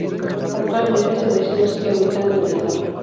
Actualmente, este vecino sigue habitando en el lugar.